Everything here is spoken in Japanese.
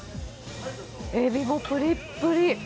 エビもぷりっぷり。